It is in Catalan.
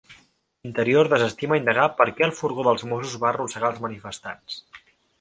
Interior desestima indagar per què el furgó dels Mossos va arrossegar els manifestants